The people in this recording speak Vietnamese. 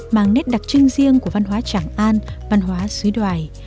mang nét đặc trưng riêng của văn hóa tràng an văn hóa suối đoài